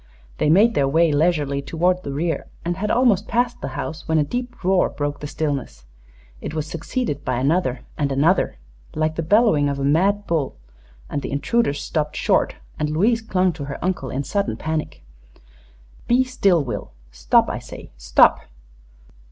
They made their way leisurely toward the rear and had almost passed the house, when a deep roar broke the stillness. It was succeeded by another, and another, like the bellowing of a mad bull, and the intruders stopped short and Louise clung to her uncle in sudden panic. "Be still, Will! Stop, I say stop!"